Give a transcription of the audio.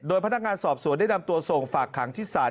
พนักงานสอบสวนได้นำตัวส่งฝากขังที่ศาล